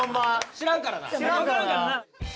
知らんからな。